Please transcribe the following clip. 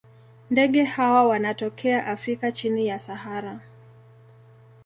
Ndege hawa wanatokea Afrika chini ya Sahara.